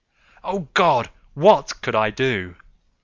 Oh God! what could I do?